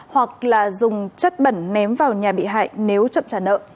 hoặc là dùng chất bẩn ném vào nhà bị hại nếu chậm trả nợ